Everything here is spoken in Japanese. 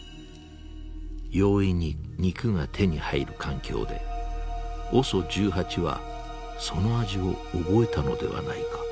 容易に肉が手に入る環境でＯＳＯ１８はその味を覚えたのではないか。